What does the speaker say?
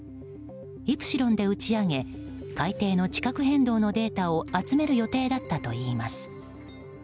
「イプシロン」で打ち上げ海底の地殻変動のデータを集める予定だったといいます。